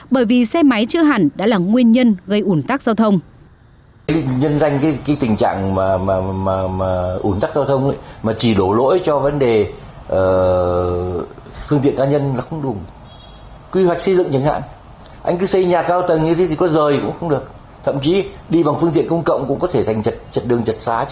bởi vì xe máy chưa hẳn đã là nguyên nhân gây ủn tắc giao thông